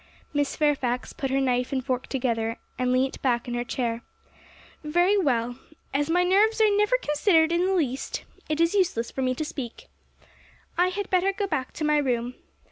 Miss Fairfax put her knife and fork together, and leant back in her chair. 'Very well; as my nerves are never considered in the least, it is useless for me to speak; I had better go back to my room.